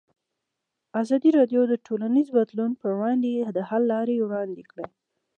ازادي راډیو د ټولنیز بدلون پر وړاندې د حل لارې وړاندې کړي.